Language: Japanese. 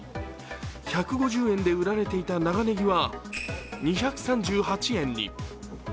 １５０円で売られていた長ねぎは２３８円に。